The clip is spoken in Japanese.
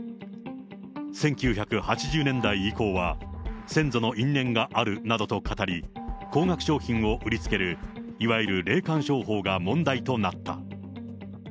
１９８０年代以降は、先祖の因縁があるなどとかたり、高額商品を売りつける、いわゆる霊感商法が問題となった。